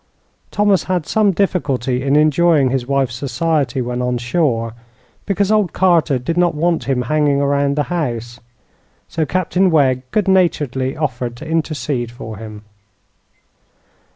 Thomas had some difficulty in enjoying his wife's society when on shore, because old Carter did not want him hanging around the house; so Captain Wegg good naturedly offered to intercede for him.